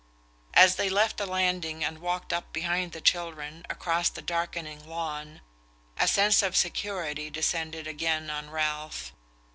As they left the landing and walked up behind the children across the darkening lawn, a sense of security descended again on Ralph.